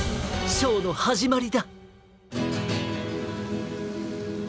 ショーのはじまりだ。